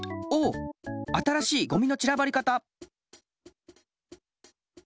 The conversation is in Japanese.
新しいゴミのちらばり方！